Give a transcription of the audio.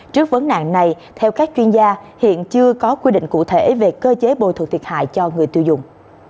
trước vấn nạn này theo các chuyên gia hiện chưa có quy định cụ thể về cơ chế bồi thuộc thiệt hại cho người tiêu dùng